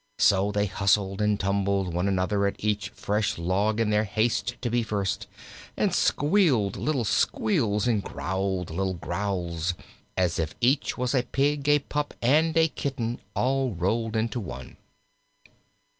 So they hustled and tumbled one another at each fresh log in their haste to be first, and squealed little squeals, and growled little growls, as if each was a pig, a pup, and a kitten all rolled into one.